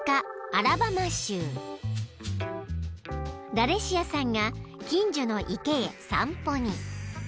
［ラレシアさんが近所の池へ散歩に］